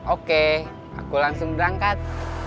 oke aku langsung berangkat